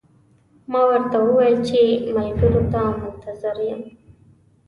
ما ورته وویل چې ملګرو ته منتظر یم.